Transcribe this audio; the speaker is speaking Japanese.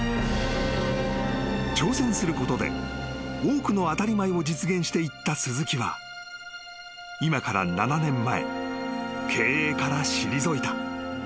［挑戦することで多くの当たり前を実現していった鈴木は今から７年前］